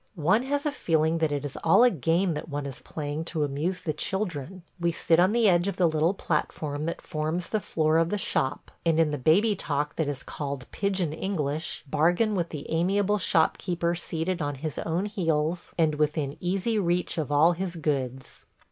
One has a feeling that it is all a game that one is playing to amuse the children. We sit on the edge of the little platform that forms the floor of the shop, and, in the baby talk that is called pigeon English, bargain with the amiable shopkeeper seated on his own heels and within easy reach of all his goods.